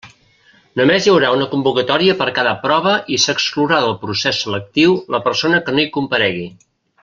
Només hi haurà una convocatòria per cada prova i s'exclourà del procés selectiu la persona que no hi comparegui.